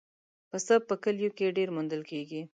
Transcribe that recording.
پسه په کلیو کې ډېر موندل کېږي.